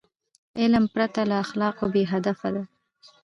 علم پرته له اخلاقو بېهدفه دی.